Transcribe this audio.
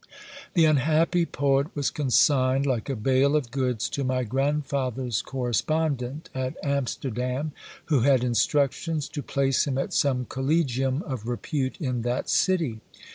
The unhappy poet was consigned like a bale of goods to my grandfather's correspondent at Amsterdam, who had instructions to place him at some collegium of repute in that city.